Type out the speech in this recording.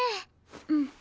うん。